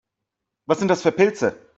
Was sind das für Pilze?